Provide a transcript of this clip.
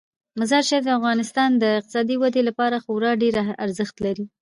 مزارشریف د افغانستان د اقتصادي ودې لپاره خورا ډیر ارزښت لري.